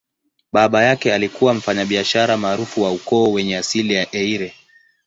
Baba yake alikuwa mfanyabiashara maarufu wa ukoo wenye asili ya Eire.